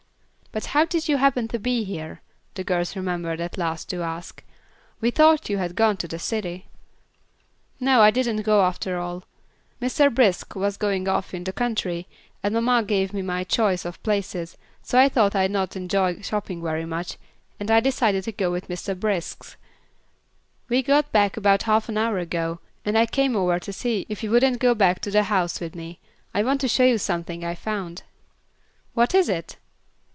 "But how did you happen to be here?" the girls remembered at last to ask. "We thought you had gone to the city." "No, I didn't go after all. Mr. Brisk was going off in the country, and mamma gave me my choice of places, so I thought I'd not enjoy going shopping very much, and I decided to go with Mr. Brisk. We got back about half an hour ago, and I came over to see if you wouldn't go back to the house with me. I want to show you something I found." "What is it?"